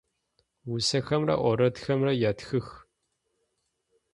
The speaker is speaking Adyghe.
Усэхэмрэ орэдхэмрэ етхых.